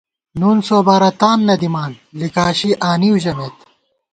نُن سوبارہ تان نہ دِمان ، لِکاشی آنِؤ ژَمېت